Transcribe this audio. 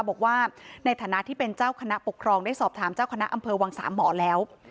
บอกว่าในฐานะที่เป็นเจ้าคณะปกครองได้สอบถามเจ้าคณะอำเภอวังสามหมอแล้ว